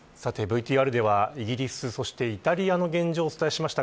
ＶＴＲではイギリス、そしてイタリアの現状をお伝えしました。